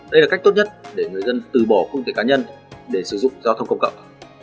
đây là cách tốt nhất để người dân từ bỏ phương tiện cá nhân để sử dụng giao thông công cộng